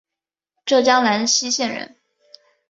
浙江兰溪县人。